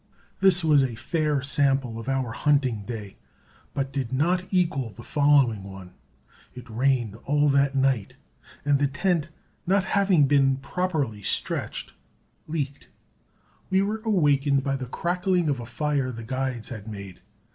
This was a fair sample of our hunting day, but did not equal the following one. It rained all that night, and the tent, not having been properly stretched, leaked. We were awakened by the crackling of a fire the guides had made.